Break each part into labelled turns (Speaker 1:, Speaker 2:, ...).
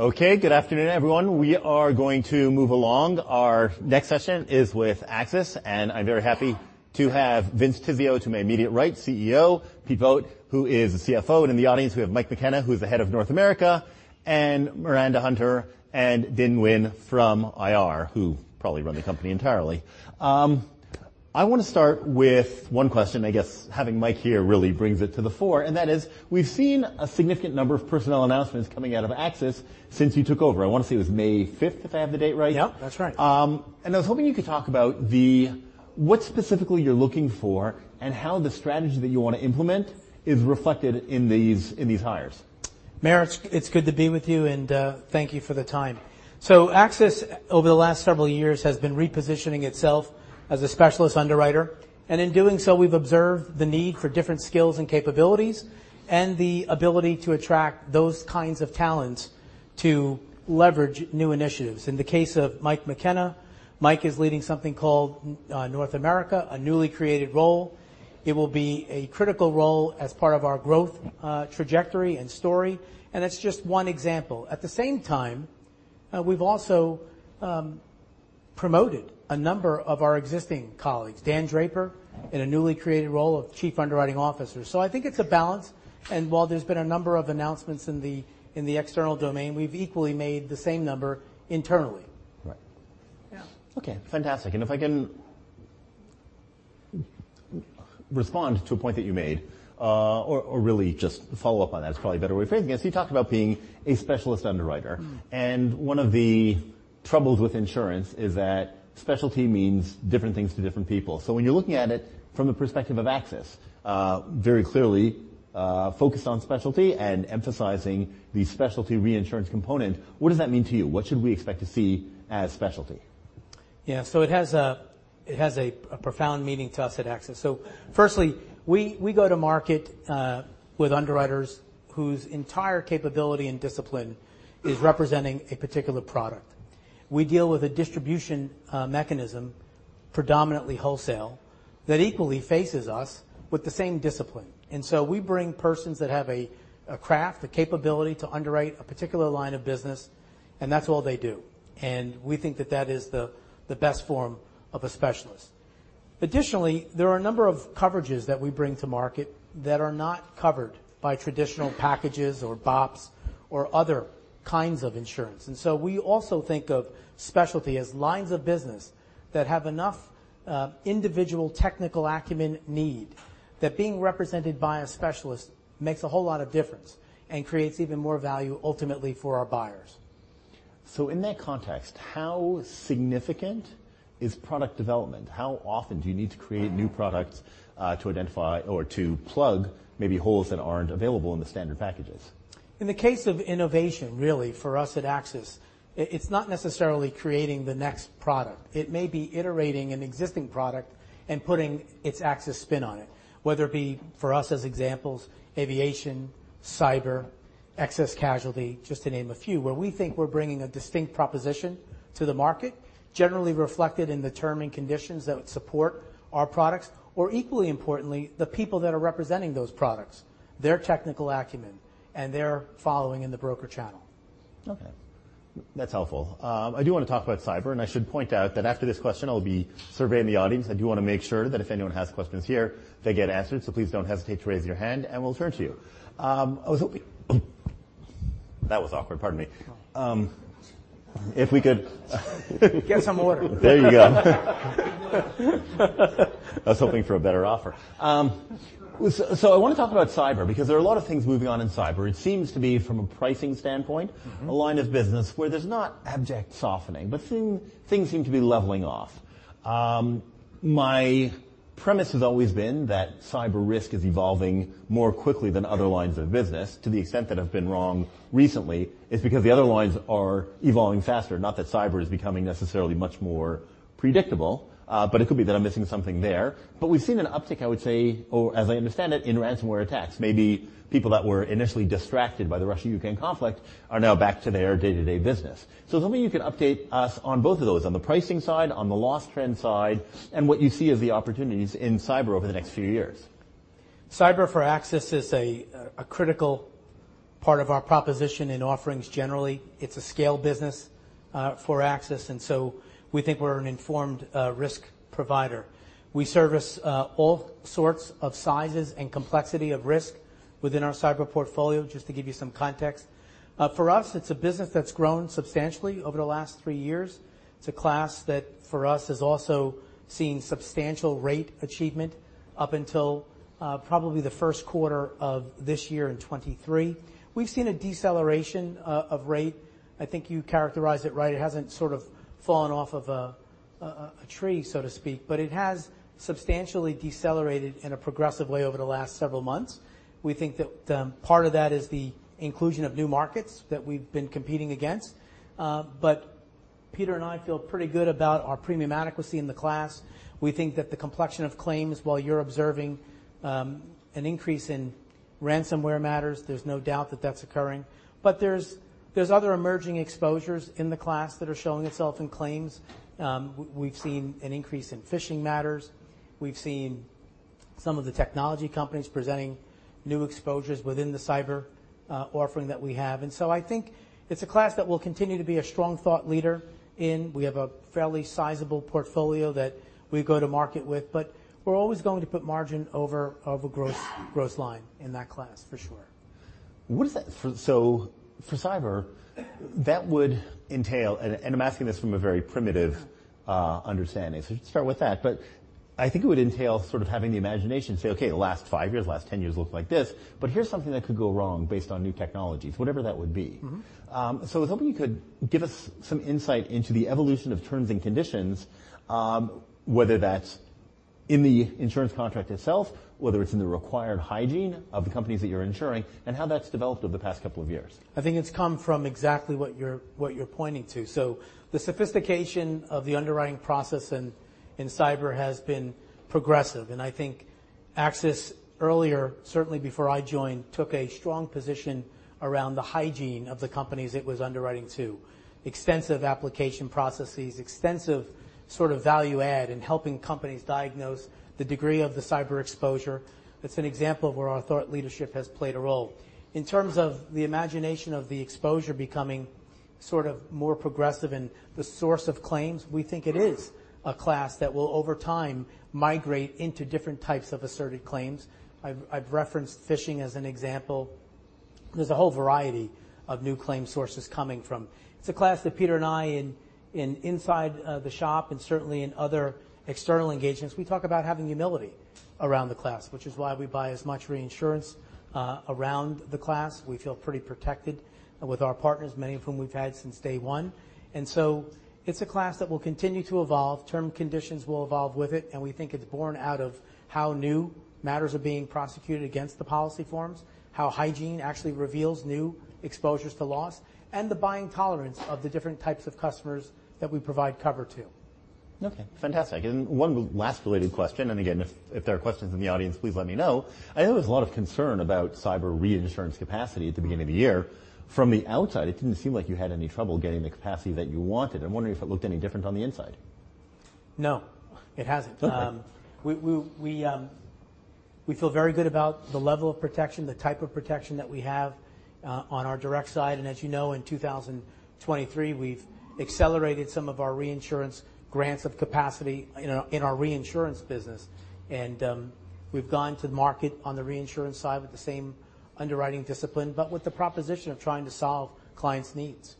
Speaker 1: Okay. Good afternoon, everyone. We are going to move along. Our next session is with AXIS, and I am very happy to have Vince Tizzio to my immediate right, CEO. Pete Vogt, who is the CFO. In the audience, we have Mike McKenna, who is the Head of North America, and Miranda Hunter, and Dinh Nguyen from IR, who probably run the company entirely. I want to start with one question. I guess having Mike here really brings it to the fore, and that is we have seen a significant number of personnel announcements coming out of AXIS since you took over. I want to say it was May 5th, if I have the date right.
Speaker 2: Yep, that is right.
Speaker 1: I was hoping you could talk about what specifically you are looking for and how the strategy that you want to implement is reflected in these hires.
Speaker 2: Meyer, it is good to be with you, and thank you for the time. AXIS, over the last several years, has been repositioning itself as a specialist underwriter. In doing so, we have observed the need for different skills and capabilities and the ability to attract those kinds of talents to leverage new initiatives. In the case of Mike McKenna, Mike is leading something called North America, a newly created role. It will be a critical role as part of our growth trajectory and story, and it is just one example. At the same time, we have also promoted a number of our existing colleagues. Dan Draper in a newly created role of Chief Underwriting Officer. I think it is a balance. While there has been a number of announcements in the external domain, we have equally made the same number internally.
Speaker 1: Right.
Speaker 2: Yeah.
Speaker 1: Okay. Fantastic. If I can respond to a point that you made, or really just follow up on that is probably a better way of phrasing this. You talked about being a specialist underwriter. One of the troubles with insurance is that specialty means different things to different people. When you're looking at it from the perspective of AXIS, very clearly focused on specialty and emphasizing the specialty reinsurance component, what does that mean to you? What should we expect to see as specialty?
Speaker 2: Yeah. It has a profound meaning to us at AXIS. Firstly, we go to market with underwriters whose entire capability and discipline is representing a particular product. We deal with a distribution mechanism, predominantly wholesale, that equally faces us with the same discipline. We bring persons that have a craft, a capability to underwrite a particular line of business, and that's all they do. We think that that is the best form of a specialist. Additionally, there are a number of coverages that we bring to market that are not covered by traditional packages or BOPs or other kinds of insurance. We also think of specialty as lines of business that have enough individual technical acumen need that being represented by a specialist makes a whole lot of difference and creates even more value ultimately for our buyers.
Speaker 1: In that context, how significant is product development? How often do you need to create new products to identify or to plug maybe holes that aren't available in the standard packages?
Speaker 2: In the case of innovation, really for us at AXIS, it's not necessarily creating the next product. It may be iterating an existing product and putting its AXIS spin on it. Whether it be for us as examples, aviation, cyber, excess casualty, just to name a few, where we think we're bringing a distinct proposition to the market, generally reflected in the term and conditions that would support our products. Equally importantly, the people that are representing those products, their technical acumen and their following in the broker channel.
Speaker 1: Okay. That's helpful. I do want to talk about cyber, I should point out that after this question, I'll be surveying the audience. I do want to make sure that if anyone has questions here, they get answered. Please don't hesitate to raise your hand and we'll turn to you. I was hoping That was awkward. Pardon me.
Speaker 2: No.
Speaker 1: If we could-
Speaker 2: Get some water.
Speaker 1: There you go. I was hoping for a better offer. I want to talk about cyber because there are a lot of things moving on in cyber. It seems to be from a pricing standpoint a line of business where there's not abject softening, things seem to be leveling off. My premise has always been that cyber risk is evolving more quickly than other lines of business. To the extent that I've been wrong recently, it's because the other lines are evolving faster, not that cyber is becoming necessarily much more predictable. It could be that I'm missing something there. We've seen an uptick, I would say, or as I understand it, in ransomware attacks. Maybe people that were initially distracted by the Russia-Ukraine conflict are now back to their day-to-day business. I was hoping you could update us on both of those, on the pricing side, on the loss trend side, and what you see as the opportunities in cyber over the next few years.
Speaker 2: Cyber for AXIS is a critical part of our proposition and offerings generally. It's a scale business for AXIS, we think we're an informed risk provider. We service all sorts of sizes and complexity of risk within our cyber portfolio, just to give you some context. For us, it's a business that's grown substantially over the last three years. It's a class that for us has also seen substantial rate achievement up until probably the first quarter of this year in 2023. We've seen a deceleration of rate. I think you characterized it right. It hasn't sort of fallen off of a tree, so to speak. It has substantially decelerated in a progressive way over the last several months. We think that part of that is the inclusion of new markets that we've been competing against. Pete and I feel pretty good about our premium adequacy in the class. We think that the complexion of claims, while you're observing an increase in ransomware matters, there's no doubt that that's occurring. There's other emerging exposures in the class that are showing itself in claims. We've seen an increase in phishing matters. Some of the technology companies presenting new exposures within the cyber offering that we have. I think it's a class that will continue to be a strong thought leader in. We have a fairly sizable portfolio that we go to market with, we're always going to put margin over gross line in that class, for sure.
Speaker 1: For cyber, that would entail, and I'm asking this from a very primitive understanding, start with that, I think it would entail sort of having the imagination to say, "Okay, the last five years, last 10 years looked like this, but here's something that could go wrong based on new technologies," whatever that would be. I was hoping you could give us some insight into the evolution of terms and conditions, whether that's in the insurance contract itself, whether it's in the required hygiene of the companies that you're insuring, and how that's developed over the past couple of years.
Speaker 2: I think it's come from exactly what you're pointing to. The sophistication of the underwriting process in cyber has been progressive. I think AXIS earlier, certainly before I joined, took a strong position around the hygiene of the companies it was underwriting to. Extensive application processes, extensive sort of value add in helping companies diagnose the degree of the cyber exposure. It's an example of where our thought leadership has played a role. In terms of the imagination of the exposure becoming sort of more progressive in the source of claims, we think it is a class that will, over time, migrate into different types of asserted claims. I've referenced phishing as an example. There's a whole variety of new claim sources coming from. It's a class that Peter and I inside the shop and certainly in other external engagements, we talk about having humility around the class, which is why we buy as much reinsurance around the class. We feel pretty protected with our partners, many of whom we've had since day one. It's a class that will continue to evolve. Term conditions will evolve with it, we think it's born out of how new matters are being prosecuted against the policy forms, how hygiene actually reveals new exposures to loss, and the buying tolerance of the different types of customers that we provide cover to.
Speaker 1: One last related question, again, if there are questions in the audience, please let me know. I know there's a lot of concern about cyber reinsurance capacity at the beginning of the year. From the outside, it didn't seem like you had any trouble getting the capacity that you wanted. I'm wondering if it looked any different on the inside.
Speaker 2: No, it hasn't.
Speaker 1: Okay.
Speaker 2: We feel very good about the level of protection, the type of protection that we have on our direct side. As you know, in 2023, we've accelerated some of our reinsurance grants of capacity in our reinsurance business. We've gone to market on the reinsurance side with the same underwriting discipline, but with the proposition of trying to solve clients' needs.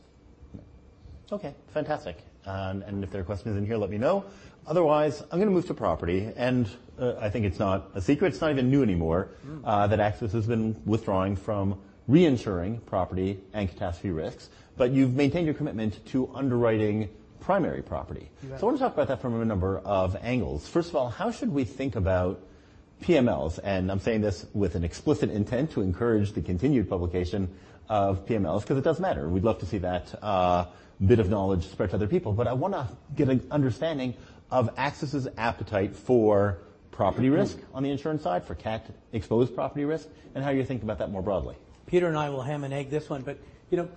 Speaker 1: Okay, fantastic. If there are questions in here, let me know. Otherwise, I'm going to move to property. I think it's not a secret, it's not even new anymore that AXIS has been withdrawing from reinsuring property and catastrophe risks. You've maintained your commitment to underwriting primary property.
Speaker 2: Yes.
Speaker 1: I want to talk about that from a number of angles. First of all, how should we think about PMLs? I'm saying this with an explicit intent to encourage the continued publication of PMLs because it does matter. We'd love to see that bit of knowledge spread to other people. I want to get an understanding of AXIS's appetite for property risk on the insurance side, for cat-exposed property risk, and how you think about that more broadly.
Speaker 2: Peter and I will ham and egg this one.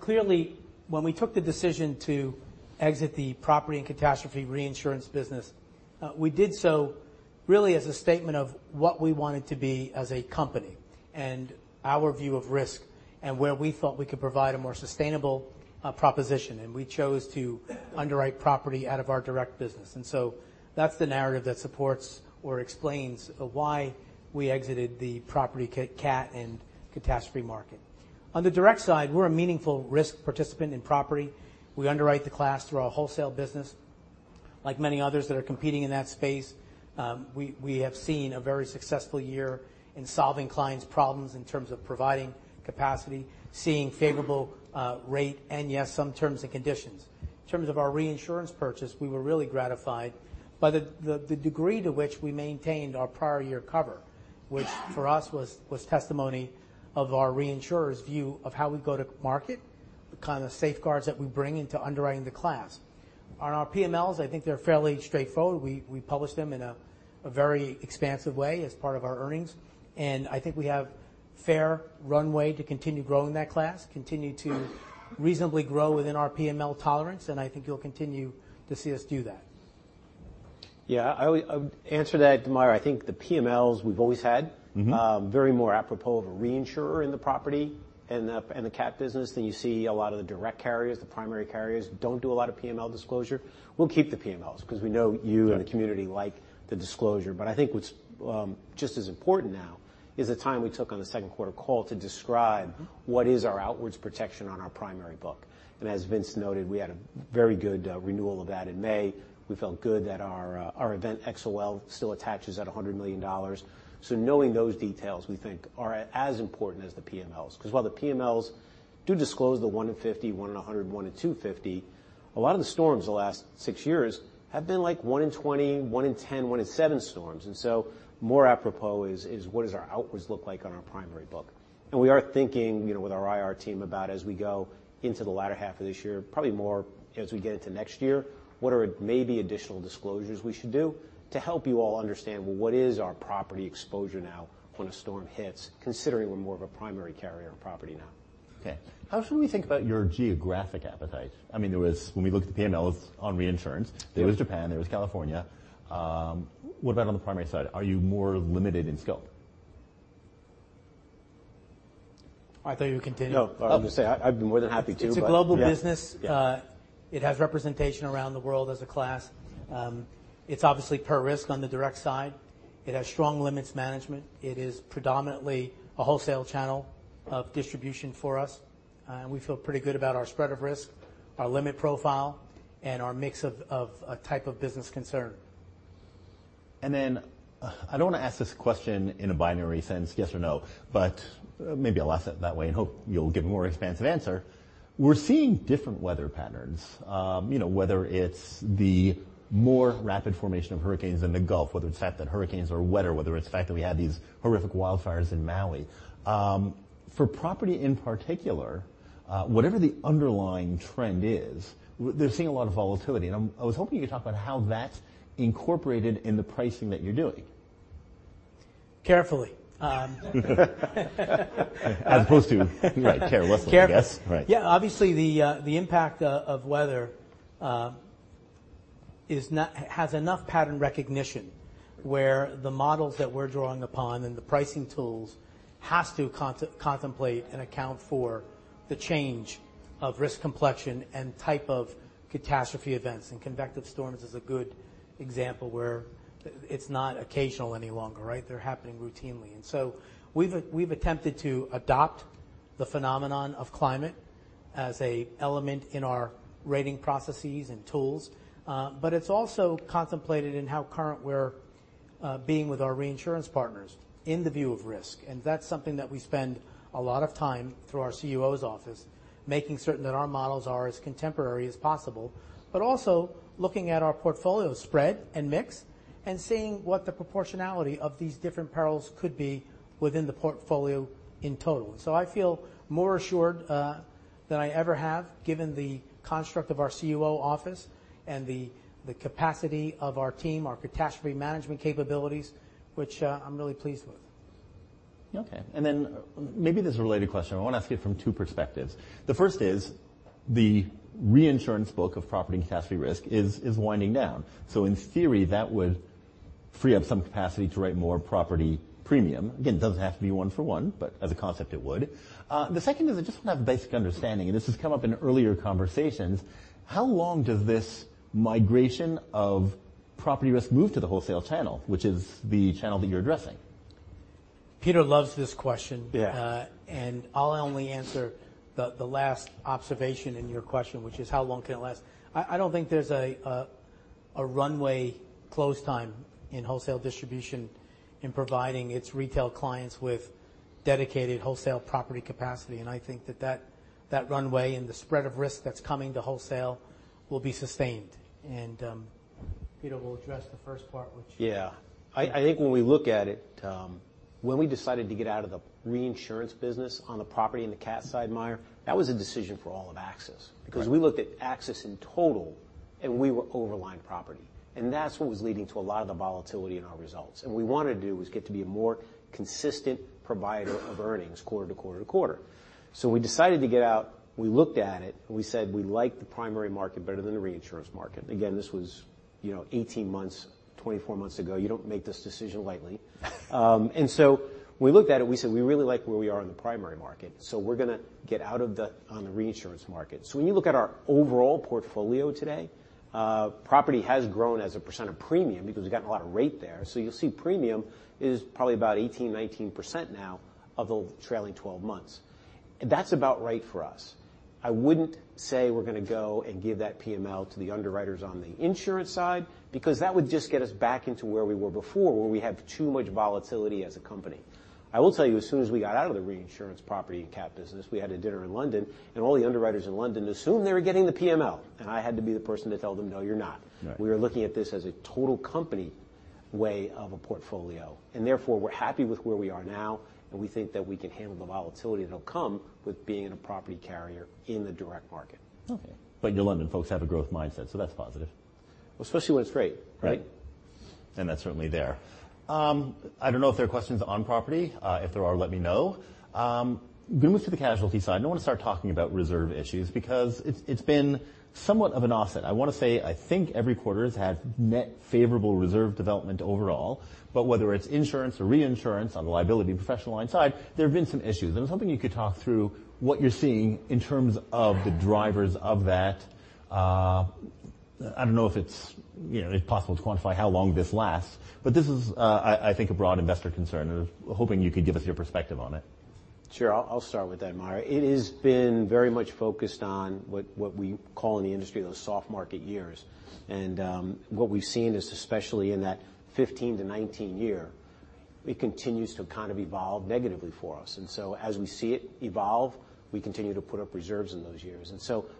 Speaker 2: Clearly, when we took the decision to exit the property and catastrophe reinsurance business, we did so really as a statement of what we wanted to be as a company and our view of risk and where we thought we could provide a more sustainable proposition. We chose to underwrite property out of our direct business. That's the narrative that supports or explains why we exited the property cat and catastrophe market. On the direct side, we're a meaningful risk participant in property. We underwrite the class through our wholesale business. Like many others that are competing in that space, we have seen a very successful year in solving clients' problems in terms of providing capacity, seeing favorable rate, and yes, some terms and conditions. In terms of our reinsurance purchase, we were really gratified by the degree to which we maintained our prior year cover. Which for us was testimony of our reinsurer's view of how we go to market, the kind of safeguards that we bring into underwriting the class. On our PMLs, I think they're fairly straightforward. We publish them in a very expansive way as part of our earnings, and I think we have fair runway to continue growing that class, continue to reasonably grow within our PML tolerance, and I think you'll continue to see us do that.
Speaker 3: Yeah. I would answer that, Meyer. I think the PMLs we've always had very more apropos of a reinsurer in the property and the cat business than you see a lot of the direct carriers, the primary carriers don't do a lot of PML disclosure. We'll keep the PMLs because we know you and the community like the disclosure. I think what's just as important now is the time we took on the second quarter call to describe what is our outwards protection on our primary book. As Vince noted, we had a very good renewal of that in May. We felt good that our event XoL still attaches at $100 million. Knowing those details, we think are as important as the PMLs. While the PMLs do disclose the one in 50, one in 100, one in 250, a lot of the storms the last six years have been like one in 20, one in 10, one in seven storms. More apropos is what does our outwards look like on our primary book? We are thinking with our IR team about as we go into the latter half of this year, probably more as we get into next year, what are maybe additional disclosures we should do to help you all understand what is our property exposure now when a storm hits, considering we're more of a primary carrier on property now?
Speaker 1: Okay. How should we think about your geographic appetite? When we looked at the PMLs on reinsurance, there was Japan, there was California. What about on the primary side? Are you more limited in scope?
Speaker 2: I thought you would continue.
Speaker 3: I was going to say, I'd be more than happy to.
Speaker 2: It's a global business.
Speaker 3: Yeah.
Speaker 2: It has representation around the world as a class. It's obviously per risk on the direct side. It has strong limits management. It is predominantly a wholesale channel of distribution for us. We feel pretty good about our spread of risk, our limit profile, and our mix of type of business concern.
Speaker 1: I don't want to ask this question in a binary sense, yes or no, but maybe I'll ask it that way and hope you'll give a more expansive answer. We're seeing different weather patterns. Whether it's the more rapid formation of hurricanes in the Gulf, whether it's the fact that hurricanes are wetter, whether it's the fact that we had these horrific wildfires in Maui. For property in particular, whatever the underlying trend is, they're seeing a lot of volatility. I was hoping you could talk about how that's incorporated in the pricing that you're doing.
Speaker 2: Carefully.
Speaker 1: As opposed to carelessly, I guess. Right.
Speaker 2: Obviously the impact of weather has enough pattern recognition where the models that we're drawing upon and the pricing tools has to contemplate and account for the change of risk complexion and type of catastrophe events. Convective storms is a good example where it's not occasional any longer, right? They're happening routinely. We've attempted to adopt the phenomenon of climate as an element in our rating processes and tools. It's also contemplated in how current we're being with our reinsurance partners in the view of risk, and that's something that we spend a lot of time through our CUO's office, making certain that our models are as contemporary as possible. Also looking at our portfolio spread and mix and seeing what the proportionality of these different perils could be within the portfolio in total. I feel more assured than I ever have, given the construct of our CUO office and the capacity of our team, our catastrophe management capabilities, which I'm really pleased with.
Speaker 1: Okay. Maybe this is a related question. I want to ask you from two perspectives. The first is the reinsurance book of property and catastrophe risk is winding down. In theory, that would free up some capacity to write more property premium. Again, it doesn't have to be one for one, but as a concept it would. The second is I just want to have a basic understanding, and this has come up in earlier conversations. How long does this migration of property risk move to the wholesale channel, which is the channel that you're addressing?
Speaker 2: Peter loves this question.
Speaker 1: Yeah.
Speaker 2: I'll only answer the last observation in your question, which is how long can it last. I don't think there's a runway close time in wholesale distribution in providing its retail clients with dedicated wholesale property capacity. I think that that runway and the spread of risk that's coming to wholesale will be sustained. Peter will address the first part.
Speaker 3: Yeah. I think when we look at it, when we decided to get out of the reinsurance business on the property and the cat side, Meyer, that was a decision for all of AXIS.
Speaker 1: Right.
Speaker 3: We looked at AXIS in total, and we were overline property. That's what was leading to a lot of the volatility in our results. What we wanted to do was get to be a more consistent provider of earnings quarter to quarter to quarter. We decided to get out. We looked at it and we said we like the primary market better than the reinsurance market. Again, this was 18 months, 24 months ago. You don't make this decision lightly. We looked at it and we said, "We really like where we are in the primary market, so we're going to get out of the reinsurance market." When you look at our overall portfolio today, property has grown as a percent of premium because we've gotten a lot of rate there. You'll see premium is probably about 18%-19% now of the trailing 12 months. That's about right for us. I wouldn't say we're going to go and give that PML to the underwriters on the insurance side, because that would just get us back into where we were before, where we have too much volatility as a company. I will tell you, as soon as we got out of the reinsurance property and cat business, we had a dinner in London, and all the underwriters in London assumed they were getting the PML, and I had to be the person to tell them, "No, you're not.
Speaker 1: Right.
Speaker 3: We are looking at this as a total company way of a portfolio, therefore, we're happy with where we are now, and we think that we can handle the volatility that'll come with being a property carrier in the direct market.
Speaker 1: Okay. Your London folks have a growth mindset, that's positive.
Speaker 3: Well, especially when it's free, right?
Speaker 1: Right. That's certainly there. I don't know if there are questions on property. If there are, let me know. I'm going to move to the casualty side. I want to start talking about reserve issues because it's been somewhat of an offset. I want to say I think every quarter has had net favorable reserve development overall. Whether it's insurance or reinsurance on the liability and professional lines side, there have been some issues. I was hoping you could talk through what you're seeing in terms of the drivers of that. I don't know if it's possible to quantify how long this lasts, but this is, I think, a broad investor concern. I was hoping you could give us your perspective on it.
Speaker 3: Sure. I'll start with that, Meyer. It has been very much focused on what we call in the industry those soft market years. What we've seen is, especially in that 2015 to 2019 year, it continues to kind of evolve negatively for us. As we see it evolve, we continue to put up reserves in those years.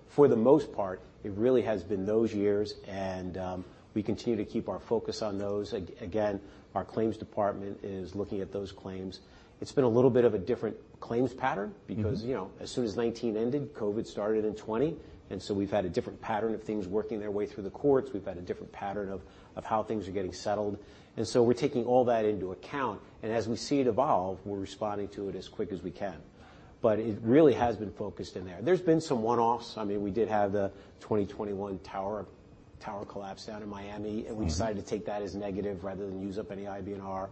Speaker 3: For the most part, it really has been those years, and we continue to keep our focus on those. Again, our claims department is looking at those claims. It's been a little bit of a different claims pattern because as soon as 2019 ended, COVID started in 2020. We've had a different pattern of things working their way through the courts. We've had a different pattern of how things are getting settled. We're taking all that into account. As we see it evolve, we're responding to it as quick as we can. It really has been focused in there. There's been some one-offs. We did have the 2021 tower collapse down in Miami. We decided to take that as negative rather than use up any IBNR.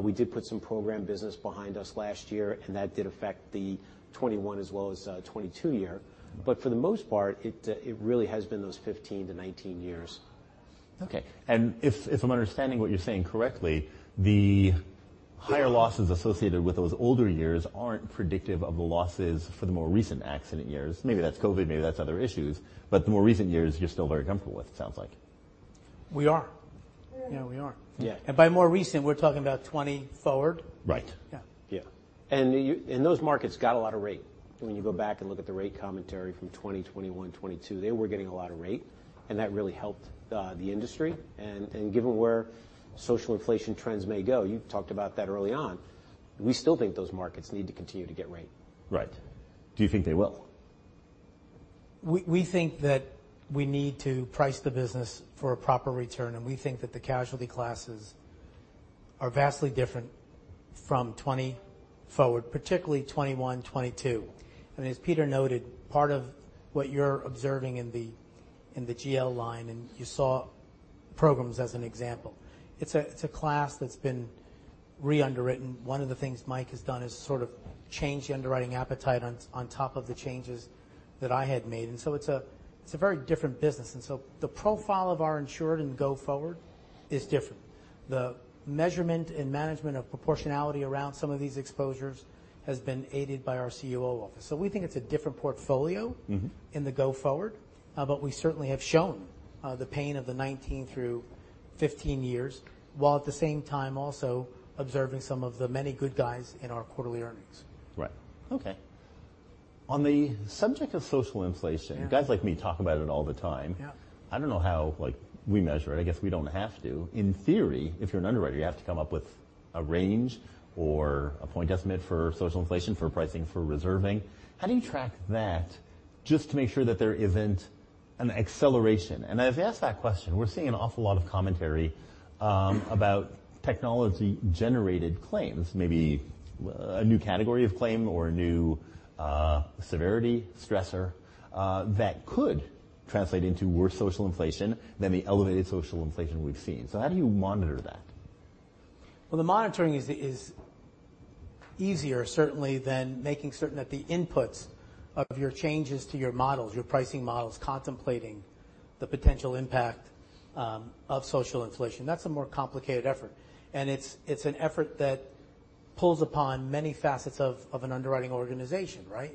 Speaker 3: We did put some program business behind us last year. That did affect the 2021 as well as 2022 year. For the most part, it really has been those 15-19 years.
Speaker 1: Okay. If I'm understanding what you're saying correctly, the higher losses associated with those older years aren't predictive of the losses for the more recent accident years. Maybe that's COVID, maybe that's other issues. The more recent years you're still very comfortable with, it sounds like.
Speaker 2: We are. Yeah, we are.
Speaker 1: Yeah.
Speaker 2: By more recent, we're talking about 2020 forward?
Speaker 1: Right.
Speaker 2: Yeah.
Speaker 3: Those markets got a lot of rate. When you go back and look at the rate commentary from 2021, 2022, they were getting a lot of rate, and that really helped the industry. Given where social inflation trends may go, you've talked about that early on, we still think those markets need to continue to get rate.
Speaker 1: Right. Do you think they will?
Speaker 2: We think that we need to price the business for a proper return, and we think that the casualty classes are vastly different from 2020 forward, particularly 2021, 2022. As Pete noted, part of what you're observing in the GL line, and you saw programs as an example. It's a class that's been re-underwritten. One of the things Mike has done is sort of change the underwriting appetite on top of the changes that I had made. It's a very different business. The profile of our insured in go forward is different. The measurement and management of proportionality around some of these exposures has been aided by our CUO office. We think it's a different portfolio- in the go forward. We certainly have shown the pain of the 2019 through 2015 years, while at the same time also observing some of the many good guys in our quarterly earnings.
Speaker 1: Right. Okay. On the subject of social inflation.
Speaker 2: Yeah
Speaker 1: Guys like me talk about it all the time.
Speaker 2: Yeah.
Speaker 1: I don't know how we measure it. I guess we don't have to. In theory, if you're an underwriter, you have to come up with a range or a point estimate for social inflation, for pricing, for reserving. How do you track that, just to make sure that there isn't an acceleration? I've asked that question. We're seeing an awful lot of commentary about technology-generated claims, maybe a new category of claim or a new severity stressor that could translate into worse social inflation than the elevated social inflation we've seen. How do you monitor that?
Speaker 2: Well, the monitoring is easier, certainly, than making certain that the inputs of your changes to your models, your pricing models, contemplating the potential impact of social inflation. That's a more complicated effort, and it's an effort that pulls upon many facets of an underwriting organization, right?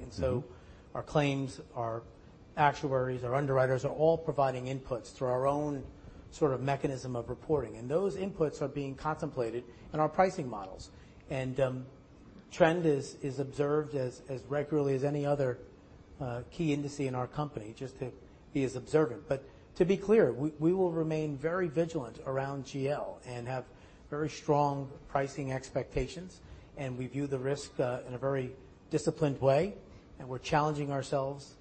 Speaker 2: Our claims, our actuaries, our underwriters are all providing inputs through our own mechanism of reporting. Those inputs are being contemplated in our pricing models. Trend is observed as regularly as any other key indices in our company, just to be as observant. To be clear, we will remain very vigilant around GL and have very strong pricing expectations. We view the risk in a very disciplined way, and we're challenging ourselves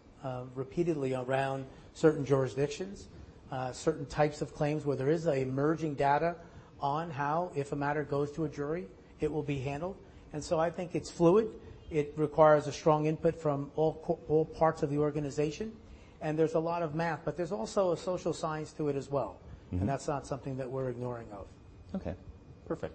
Speaker 2: repeatedly around certain jurisdictions, certain types of claims where there is emerging data on how, if a matter goes to a jury, it will be handled. I think it's fluid. It requires a strong input from all parts of the organization. There's a lot of math. There's also a social science to it as well. That's not something that we're ignoring of.
Speaker 1: Okay. Perfect.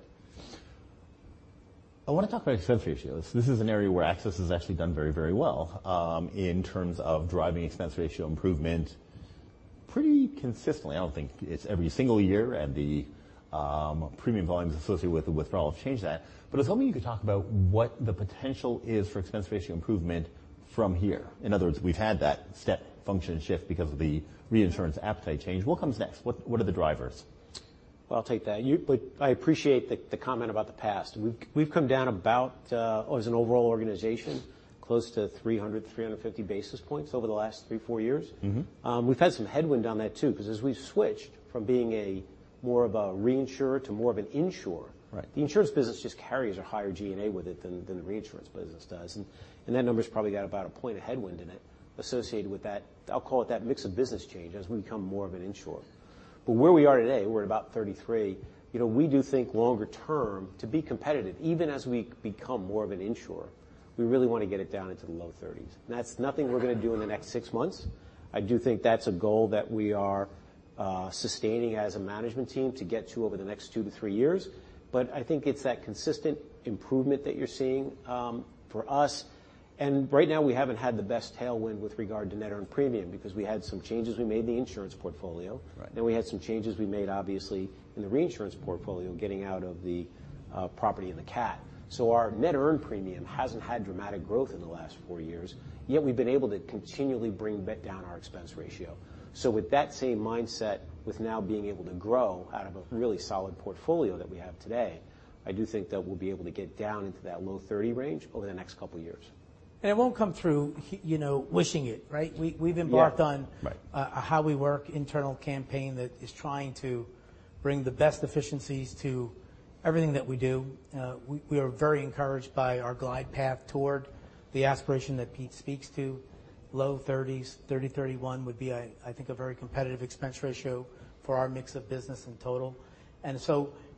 Speaker 1: I want to talk about expense ratios. This is an area where AXIS has actually done very, very well in terms of driving expense ratio improvement pretty consistently. I don't think it's every single year and the premium volumes associated with the withdrawal have changed that. I was hoping you could talk about what the potential is for expense ratio improvement from here. In other words, we've had that step function shift because of the reinsurance appetite change. What comes next? What are the drivers?
Speaker 3: Well, I'll take that. I appreciate the comment about the past. We've come down about, as an overall organization, close to 300 to 350 basis points over the last three, four years. We've had some headwind on that, too, because as we've switched from being more of a reinsurer to more of an insurer.
Speaker 1: Right
Speaker 3: The insurance business just carries a higher G&A with it than the reinsurance business does. That number's probably got about a point of headwind in it associated with that, I'll call it that mix of business change as we become more of an insurer. Where we are today, we're at about 33. We do think longer term to be competitive, even as we become more of an insurer, we really want to get it down into the low 30s. That's nothing we're going to do in the next 6 months. I do think that's a goal that we are sustaining as a management team to get to over the next 2 to 3 years. I think it's that consistent improvement that you're seeing for us. Right now, we haven't had the best tailwind with regard to net earned premium because we had some changes we made in the insurance portfolio.
Speaker 1: Right.
Speaker 3: We had some changes we made, obviously, in the reinsurance portfolio, getting out of the property and the cat. Our net earned premium hasn't had dramatic growth in the last four years, yet we've been able to continually bring down our expense ratio. With that same mindset, with now being able to grow out of a really solid portfolio that we have today, I do think that we'll be able to get down into that low 30 range over the next couple of years.
Speaker 2: It won't come through wishing it, right?
Speaker 3: Yeah.
Speaker 2: We've embarked on-
Speaker 3: Right
Speaker 2: A How We Work internal campaign that is trying to bring the best efficiencies to everything that we do. We are very encouraged by our glide path toward the aspiration that Pete speaks to. Low 30s, 30.31 would be, I think, a very competitive expense ratio for our mix of business in total.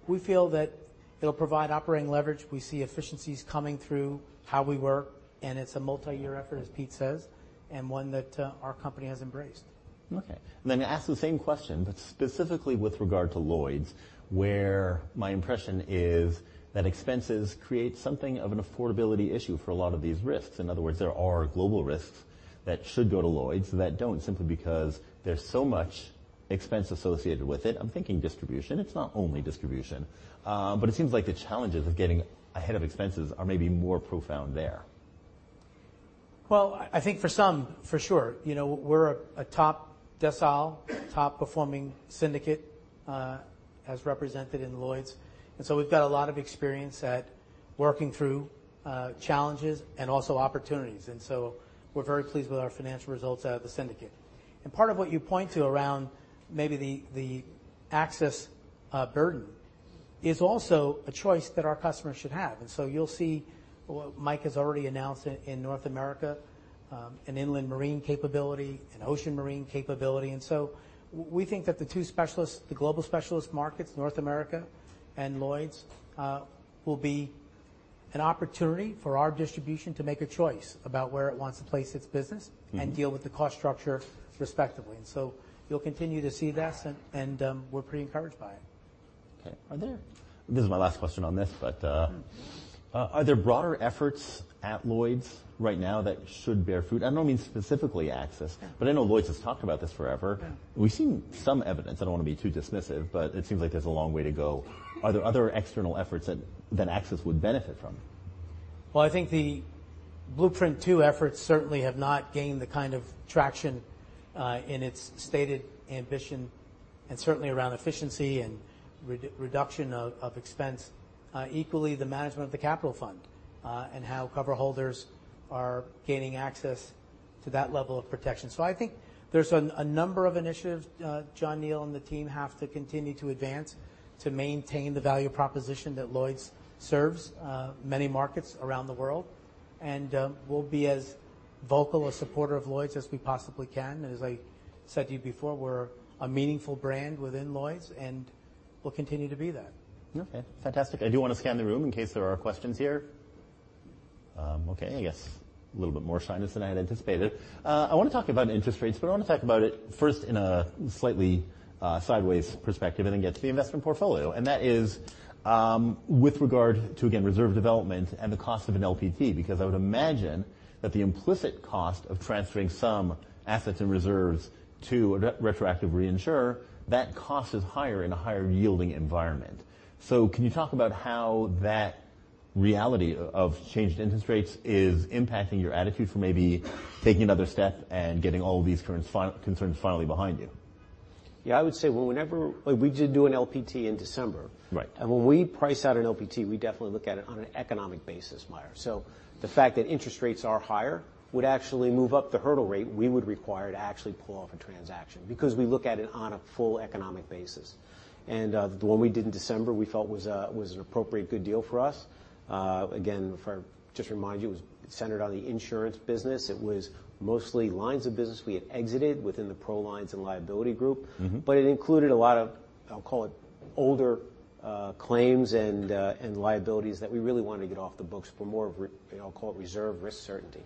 Speaker 2: We feel that it'll provide operating leverage. We see efficiencies coming through How We Work, it's a multi-year effort, as Pete says, one that our company has embraced.
Speaker 1: Okay. I'm going to ask the same question, specifically with regard to Lloyd's, where my impression is that expenses create something of an affordability issue for a lot of these risks. In other words, there are global risks that should go to Lloyd's that don't, simply because there's so much expense associated with it. I'm thinking distribution. It's not only distribution. It seems like the challenges of getting ahead of expenses are maybe more profound there.
Speaker 2: Well, I think for some, for sure. We're a top decile, top performing syndicate, as represented in Lloyd's. We've got a lot of experience at working through challenges and also opportunities. We're very pleased with our financial results out of the syndicate. Part of what you point to around maybe the AXIS burden is also a choice that our customers should have. You'll see what Mike has already announced in North America, an inland marine capability, an ocean marine capability. We think that the two specialists, the global specialist markets, North America and Lloyd's, will be an opportunity for our distribution to make a choice about where it wants to place its business and deal with the cost structure respectively. You'll continue to see this, and we're pretty encouraged by it.
Speaker 1: Okay. This is my last question on this, are there broader efforts at Lloyd's right now that should bear fruit? I don't mean specifically AXIS, I know Lloyd's has talked about this forever.
Speaker 2: Yeah.
Speaker 1: We've seen some evidence. I don't want to be too dismissive, it seems like there's a long way to go. Are there other external efforts that AXIS would benefit from?
Speaker 2: Well, I think the Blueprint Two efforts certainly have not gained the kind of traction in its stated ambition, certainly around efficiency and reduction of expense. Equally, the management of the capital fund, how cover holders are gaining access to that level of protection. I think there's a number of initiatives John Neal and the team have to continue to advance to maintain the value proposition that Lloyd's serves many markets around the world. We'll be as vocal a supporter of Lloyd's as we possibly can. As I said to you before, we're a meaningful brand within Lloyd's, we'll continue to be that.
Speaker 1: Okay, fantastic. I do want to scan the room in case there are questions here. Okay, I guess a little bit more shyness than I had anticipated. I want to talk about interest rates. I want to talk about it first in a slightly sideways perspective and then get to the investment portfolio. That is with regard to, again, reserve development and the cost of an LPT, because I would imagine that the implicit cost of transferring some assets and reserves to a retroactive reinsurer, that cost is higher in a higher yielding environment. Can you talk about how that reality of changed interest rates is impacting your attitude for maybe taking another step and getting all these concerns finally behind you?
Speaker 3: Yeah, I would say whenever we do an LPT in December-
Speaker 1: Right
Speaker 3: When we price out an LPT, we definitely look at it on an economic basis, Meyer. The fact that interest rates are higher would actually move up the hurdle rate we would require to actually pull off a transaction, because we look at it on a full economic basis. The one we did in December, we felt was an appropriate good deal for us. Again, just to remind you, it was centered on the insurance business. It was mostly lines of business we had exited within the professional lines and liability group. It included a lot of, I'll call it older claims and liabilities that we really wanted to get off the books for more of, I'll call it reserve risk certainty.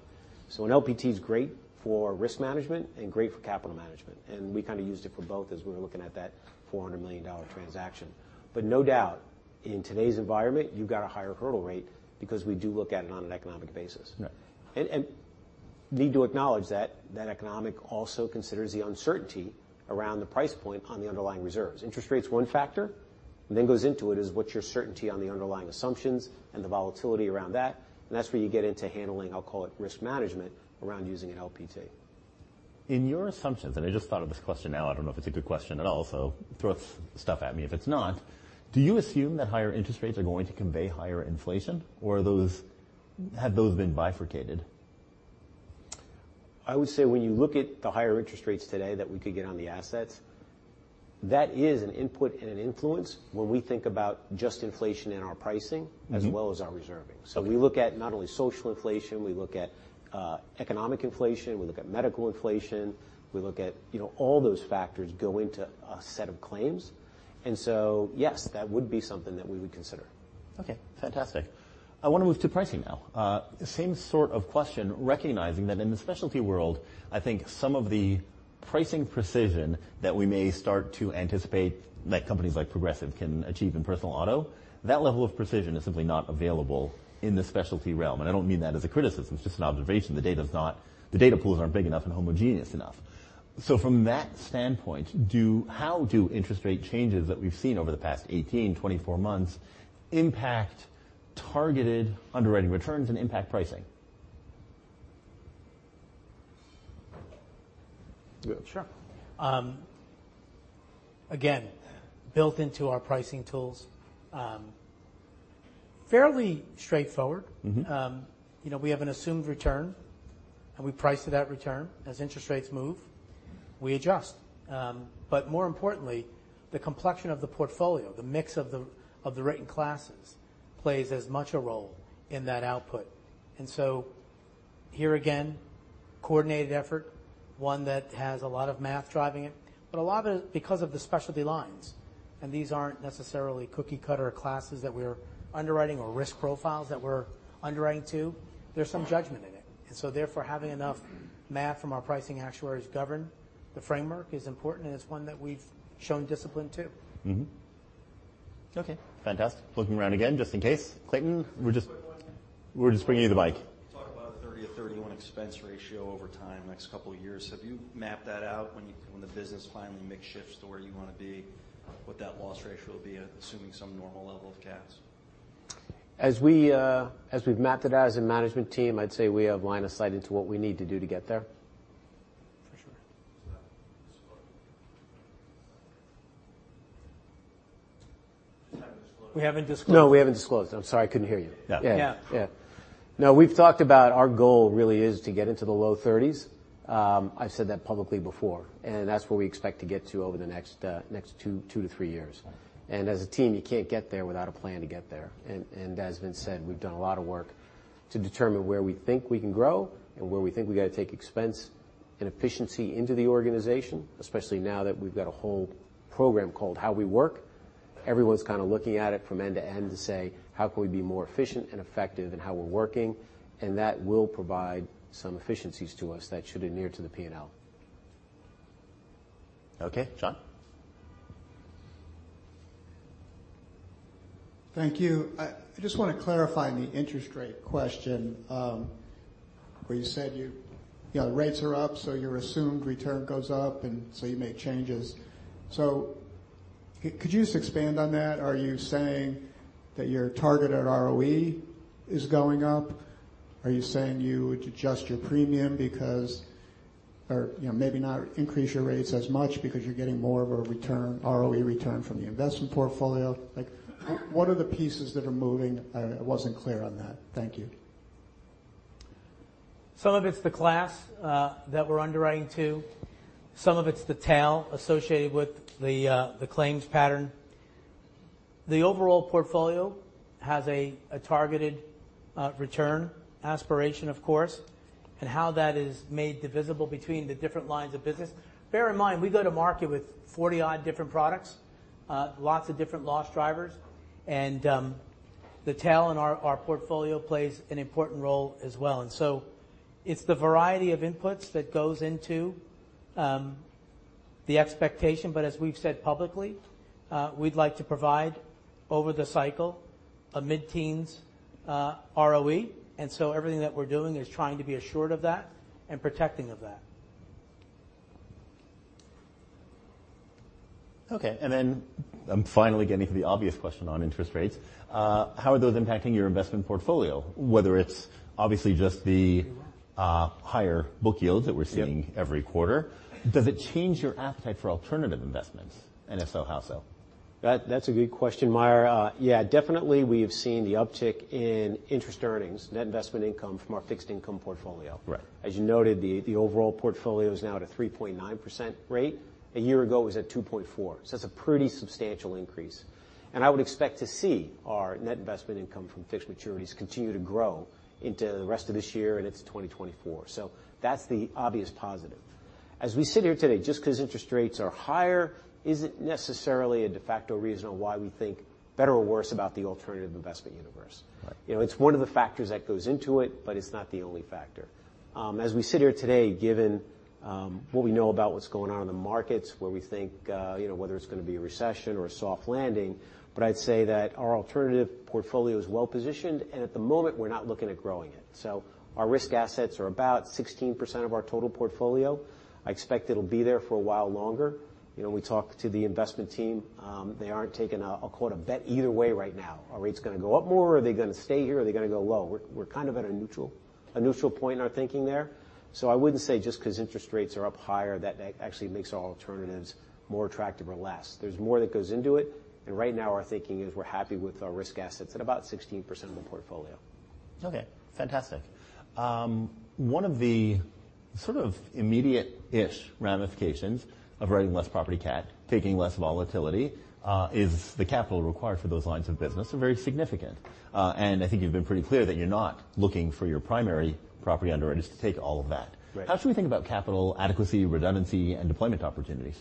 Speaker 3: An LPT is great for risk management and great for capital management, and we kind of used it for both as we were looking at that $400 million transaction. No doubt, in today's environment, you've got a higher hurdle rate because we do look at it on an economic basis.
Speaker 1: Right.
Speaker 3: Need to acknowledge that that economic also considers the uncertainty around the price point on the underlying reserves. Interest rate's one factor, then goes into it is what's your certainty on the underlying assumptions and the volatility around that. That's where you get into handling, I'll call it risk management around using an LPT.
Speaker 1: In your assumptions, I just thought of this question now. I don't know if it's a good question at all, so throw stuff at me if it's not. Do you assume that higher interest rates are going to convey higher inflation, or have those been bifurcated?
Speaker 3: I would say when you look at the higher interest rates today that we could get on the assets, that is an input and an influence when we think about just inflation in our pricing as well as our reserving. We look at not only social inflation, we look at economic inflation, we look at medical inflation. We look at all those factors go into a set of claims. Yes, that would be something that we would consider.
Speaker 1: Okay, fantastic. I want to move to pricing now. Same sort of question, recognizing that in the specialty world, I think some of the pricing precision that we may start to anticipate that companies like Progressive can achieve in personal auto, that level of precision is simply not available in the specialty realm. I don't mean that as a criticism, it's just an observation. The data pools aren't big enough and homogeneous enough. From that standpoint, how do interest rate changes that we've seen over the past 18, 24 months impact targeted underwriting returns and impact pricing?
Speaker 2: Sure. Again, built into our pricing tools. Fairly straightforward. We have an assumed return, and we price it at return as interest rates move
Speaker 3: We adjust. More importantly, the complexion of the portfolio, the mix of the written classes, plays as much a role in that output. Here again, coordinated effort, one that has a lot of math driving it, but a lot of it because of the specialty lines. These aren't necessarily cookie cutter classes that we're underwriting or risk profiles that we're underwriting to. There's some judgment in it. Therefore, having enough math from our pricing actuaries govern the framework is important, and it's one that we've shown discipline to.
Speaker 1: Okay, fantastic. Looking around again, just in case. Clayton.
Speaker 4: Quick question.
Speaker 1: We're just bringing you the mic.
Speaker 4: You talk about a 30%-31% expense ratio over time, next couple of years. Have you mapped that out when the business finally makes shifts to where you want to be, what that loss ratio will be, assuming some normal level of CATs?
Speaker 2: As we've mapped it as a management team, I'd say we have line of sight into what we need to do to get there.
Speaker 3: For sure.
Speaker 4: That's disclosed?
Speaker 3: We haven't disclosed. No, we haven't disclosed. I'm sorry, I couldn't hear you. Yeah. Yeah. No, we've talked about our goal really is to get into the low 30s. I've said that publicly before, and that's where we expect to get to over the next two to three years.
Speaker 2: Right. As a team, you can't get there without a plan to get there. As has been said, we've done a lot of work to determine where we think we can grow and where we think we got to take expense and efficiency into the organization, especially now that we've got a whole program called How We Work. Everyone's kind of looking at it from end to end to say, "How can we be more efficient and effective in how we're working?" That will provide some efficiencies to us that should adhere to the P&L.
Speaker 1: Okay. Sean?
Speaker 4: Thank you. I just want to clarify the interest rate question, where you said rates are up, so your assumed return goes up, and so you made changes. Could you just expand on that? Are you saying that your targeted ROE is going up? Are you saying you would adjust your premium because or maybe not increase your rates as much because you're getting more of a ROE return from the investment portfolio? What are the pieces that are moving? I wasn't clear on that. Thank you.
Speaker 2: Some of it's the class that we're underwriting to. Some of it's the tail associated with the claims pattern. The overall portfolio has a targeted return aspiration, of course, and how that is made divisible between the different lines of business. Bear in mind, we go to market with 40-odd different products, lots of different loss drivers, and the tail on our portfolio plays an important role as well. It's the variety of inputs that goes into the expectation. As we've said publicly, we'd like to provide, over the cycle, a mid-teens ROE. Everything that we're doing is trying to be assured of that and protecting of that.
Speaker 1: Okay, I'm finally getting to the obvious question on interest rates. How are those impacting your investment portfolio? Whether it's obviously just the higher book yields that we're seeing every quarter. Does it change your appetite for alternative investments? If so, how so?
Speaker 3: That's a good question, Meyer. Definitely we have seen the uptick in interest earnings, net investment income from our fixed income portfolio.
Speaker 1: Right.
Speaker 3: As you noted, the overall portfolio is now at a 3.9% rate. A year ago, it was at 2.4%. That's a pretty substantial increase. I would expect to see our net investment income from fixed maturities continue to grow into the rest of this year and into 2024. That's the obvious positive. As we sit here today, just because interest rates are higher isn't necessarily a de facto reason on why we think better or worse about the alternative investment universe.
Speaker 1: Right.
Speaker 3: It's one of the factors that goes into it's not the only factor. As we sit here today, given what we know about what's going on in the markets, where we think whether it's going to be a recession or a soft landing, I'd say that our alternative portfolio is well-positioned, and at the moment, we're not looking at growing it. Our risk assets are about 16% of our total portfolio. I expect it'll be there for a while longer. We talk to the investment team. They aren't taking, I'll quote, "a bet either way right now." Are rates going to go up more? Are they going to stay here? Are they going to go low? We're kind of at a neutral point in our thinking there. I wouldn't say just because interest rates are up higher, that actually makes our alternatives more attractive or less. There's more that goes into it. Right now our thinking is we're happy with our risk assets at about 16% of the portfolio.
Speaker 1: Okay, fantastic. One of the sort of immediate-ish ramifications of writing less property CAT, taking less volatility, is the capital required for those lines of business are very significant. I think you've been pretty clear that you're not looking for your primary property underwriters to take all of that.
Speaker 3: Right.
Speaker 1: How should we think about capital adequacy, redundancy, and deployment opportunities?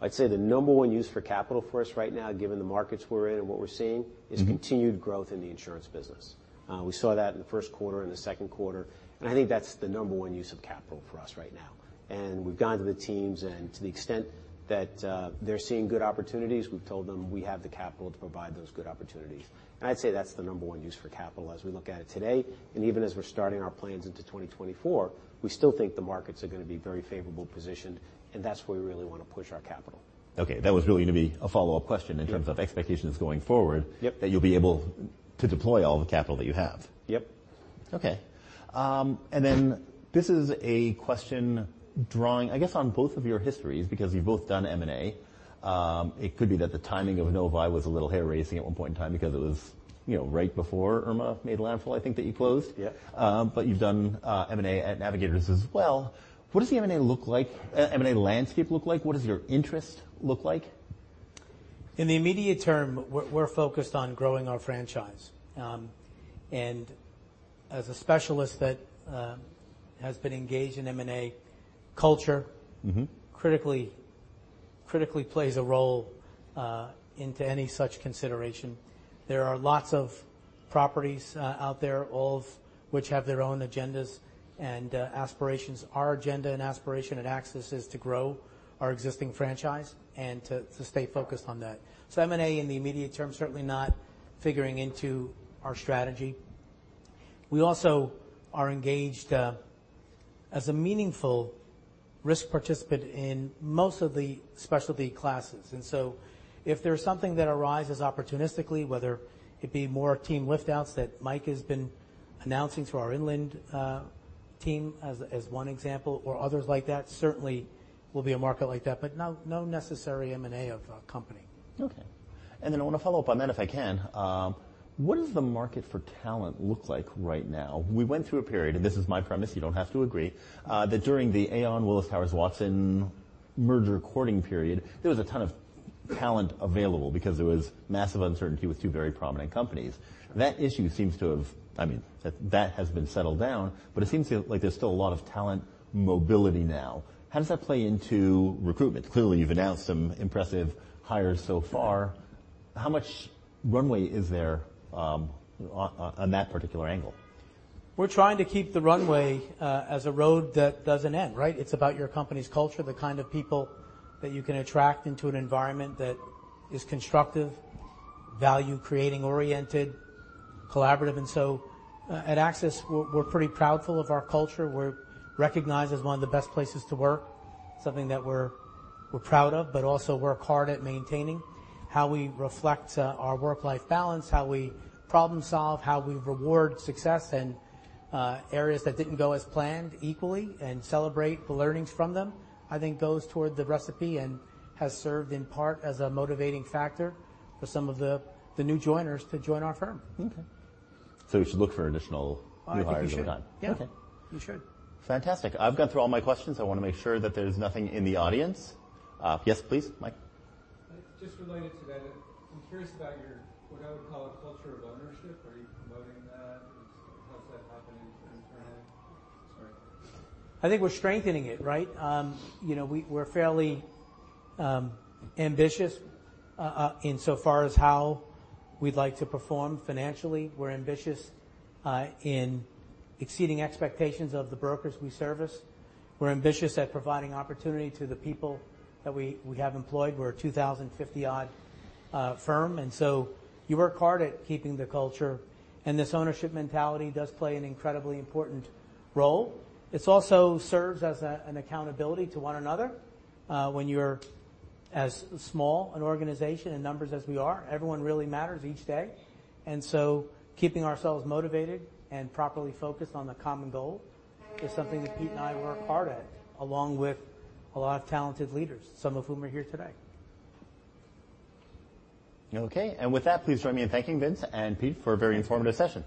Speaker 3: I'd say the number one use for capital for us right now, given the markets we're in and what we're seeing, is continued growth in the insurance business. We saw that in the first quarter and the second quarter. I think that's the number one use of capital for us right now. We've gone to the teams, and to the extent that they're seeing good opportunities, we've told them we have the capital to provide those good opportunities. I'd say that's the number one use for capital as we look at it today. Even as we're starting our plans into 2024, we still think the markets are going to be very favorably positioned, and that's where we really want to push our capital.
Speaker 1: Okay. That was really going to be a follow-up question in terms of expectations going forward.
Speaker 3: Yep
Speaker 1: that you'll be able to deploy all the capital that you have.
Speaker 3: Yep.
Speaker 1: Okay. Then this is a question drawing, I guess, on both of your histories because you've both done M&A. It could be that the timing of Novae was a little hair-raising at one point in time because it was right before Irma made landfall, I think, that you closed.
Speaker 3: Yeah.
Speaker 1: You've done M&A at Navigators as well. What does the M&A look like, M&A landscape look like? What does your interest look like?
Speaker 2: In the immediate term, we're focused on growing our franchise. As a specialist that has been engaged in M&A culture- critically plays a role into any such consideration. There are lots of properties out there, all of which have their own agendas and aspirations. Our agenda and aspiration at AXIS is to grow our existing franchise and to stay focused on that. M&A in the immediate term, certainly not figuring into our strategy. We also are engaged as a meaningful risk participant in most of the specialty classes. If there's something that arises opportunistically, whether it be more team lift-outs that Mike has been announcing to our inland team as one example, or others like that, certainly will be a market like that, but no necessary M&A of a company.
Speaker 1: Okay. I want to follow up on that if I can. What does the market for talent look like right now? We went through a period, and this is my premise, you don't have to agree, that during the Aon Willis Towers Watson merger courting period, there was a ton of talent available because there was massive uncertainty with two very prominent companies. That has been settled down, but it seems like there's still a lot of talent mobility now. How does that play into recruitment? Clearly, you've announced some impressive hires so far. How much runway is there on that particular angle?
Speaker 2: We're trying to keep the runway as a road that doesn't end, right? It's about your company's culture, the kind of people that you can attract into an environment that is constructive, value-creating oriented, collaborative. At AXIS, we're pretty proudful of our culture. We're recognized as one of the best places to work, something that we're proud of, but also work hard at maintaining. How we reflect our work-life balance, how we problem solve, how we reward success in areas that didn't go as planned equally and celebrate the learnings from them, I think goes toward the recipe and has served in part as a motivating factor for some of the new joiners to join our firm.
Speaker 1: Okay. We should look for additional new hires over time.
Speaker 2: I think you should. Yeah.
Speaker 1: Okay.
Speaker 2: You should.
Speaker 1: Fantastic. I've gone through all my questions. I want to make sure that there's nothing in the audience. Yes, please, Mike.
Speaker 4: Just related to that, I'm curious about your, what I would call a culture of ownership. Are you promoting that? How's that happening internally? Sorry.
Speaker 2: I think we're strengthening it, right? We're fairly ambitious insofar as how we'd like to perform financially. We're ambitious in exceeding expectations of the brokers we service. We're ambitious at providing opportunity to the people that we have employed. We're a 2,050 odd firm, you work hard at keeping the culture, and this ownership mentality does play an incredibly important role. It also serves as an accountability to one another. When you're as small an organization in numbers as we are, everyone really matters each day. Keeping ourselves motivated and properly focused on the common goal is something that Pete and I work hard at, along with a lot of talented leaders, some of whom are here today.
Speaker 1: Okay. With that, please join me in thanking Vince and Pete for a very informative session.